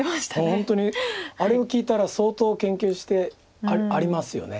本当にあれを聞いたら相当研究してありますよね。